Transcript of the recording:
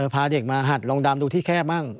พาเด็กมาหัดลองดำดูที่แคบมั่ง